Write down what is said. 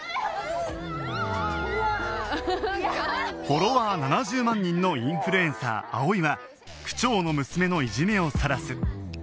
フォロワー７０万人のインフルエンサー葵は区長の娘のいじめをさらす